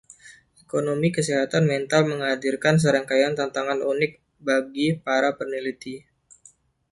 Ekonomi kesehatan mental menghadirkan serangkaian tantangan unik bagi para peneliti.